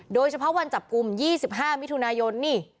โดยเฉพาะวันจับกลุ่ม๒๕มิถุนายนนี่